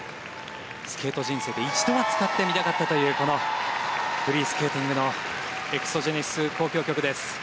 スケート人生で一度は使ってみたかったというこのフリースケーティングの「エクソジェネシス交響曲」。